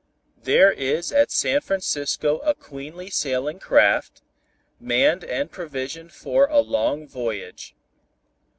"There is at San Francisco a queenly sailing craft, manned and provisioned for a long voyage.